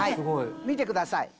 見てください。